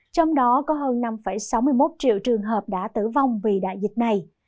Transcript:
trong đó có hơn năm sáu mươi một triệu trường hợp đã tử vong vì đại dịch này